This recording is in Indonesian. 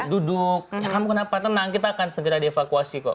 duduk ya kamu kenapa tenang kita akan segera dievakuasi kok